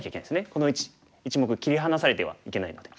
この１目切り離されてはいけないので。